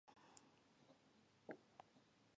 پاچا د خلکو په ژوند باندې تور سيورى غوړولى.